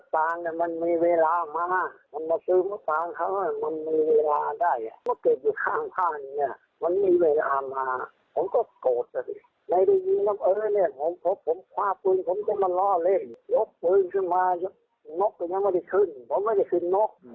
ปืนขึ้นมาน็อคก็ยังไม่ได้ขึ้นผมก็ไม่ได้ขึ้นน็อค